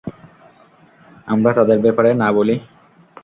আমরা তাদের ব্যাপারে না বলি?